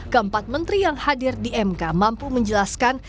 keempat menteri yang hadir di mk mampu menjelaskan